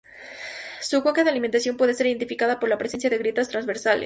Su cuenca de alimentación puede ser identificada por la presencia de grietas transversales.